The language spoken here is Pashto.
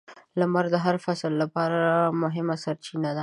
• لمر د هر فصل لپاره مهمه سرچینه ده.